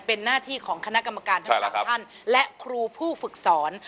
เป็นหน้าที่ของคณะกรรมการทั้ง๓ท่านและครูผู้ฝึกสอน